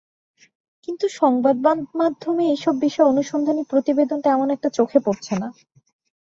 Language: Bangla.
কিন্তু সংবাদমাধ্যমে এসব বিষয়ে অনুসন্ধানী প্রতিবেদন তেমন একটা চোখে পড়ছে না।